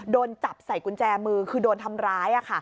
โดนจับใส่กุญแจมือคือโดนทำร้าย